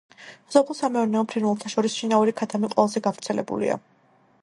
სასოფლო-სამეურნეო ფრინველთა შორის შინაური ქათამი ყველაზე გავრცელებულია.